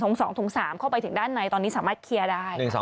๒ถุง๓เข้าไปถึงด้านในตอนนี้สามารถเคลียร์ได้